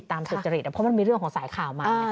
ตามเศรษฐฤตเพราะมันมีเรื่องของสายข่าวมา